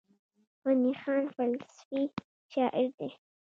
غني خان فلسفي شاعر دی.